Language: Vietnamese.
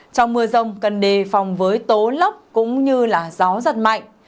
trong mưa rông cần đề phòng với tố lốc cũng như là gió rất mạnh